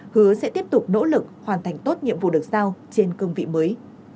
hứa sẽ tiếp tục nỗ lực hoàn thành tốt nhiệm vụ được sao trên cương vị mới